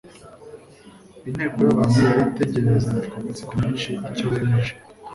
Inteko y'abantu yari itegerezanyije amatsiko menshi icyo bemeje.